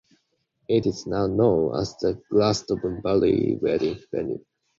It is now known as the Glastonbury Wedding Venue.